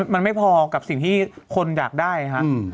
มันไม่พอกับสิ่งที่คนอยากได้ครับ